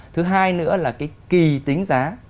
thứ hai nữa là cái kỳ tính giá